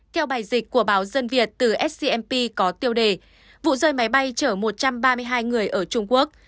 theo bài dịch của báo dân việt từ scmp có tiêu đề vụ rơi máy bay chở một trăm ba mươi hai người ở trung quốc